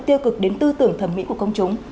tiêu cực đến tư tưởng thẩm mỹ của công chúng